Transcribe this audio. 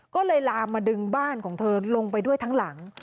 ก็เลยลามมาดึงบ้านของเธอลงไปด้วยทั้งหลัง